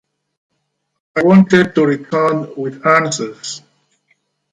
I wanted to return with answers.